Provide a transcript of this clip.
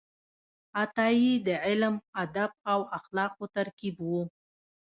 عطايي د علم، ادب او اخلاقو ترکیب و.